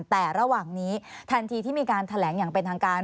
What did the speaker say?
แต่ระหว่างนี้ทันทีที่มีการแถลงอย่างเป็นทางการ